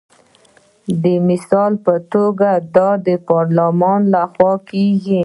د مثال په توګه دا د پارلمان لخوا کیږي.